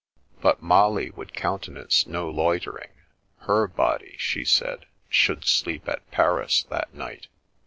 But Molly would countenance no loitering. Her body, she said, should sleep at Paris that night.